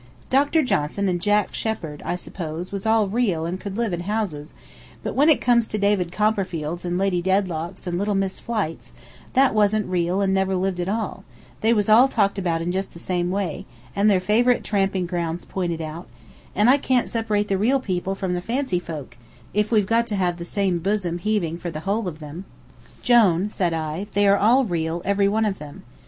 Dr. Johnson and Jack Sheppard, I suppose, was all real and could live in houses; but when it comes to David Copperfields and Lady Dedlocks and little Miss Flites, that wasn't real and never lived at all, they was all talked about in just the same way, and their favorite tramping grounds pointed out, and I can't separate the real people from the fancy folk, if we've got to have the same bosom heaving for the whole of them." "Jone," said I, "they are all real, every one of them.